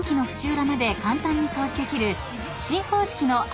裏まで簡単に掃除できる新方式の泡